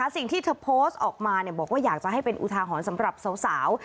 สิ่งที่เธอโพสต์ออกมาบอกว่าอยากจะให้เป็นอุทาหรณ์สำหรับสาว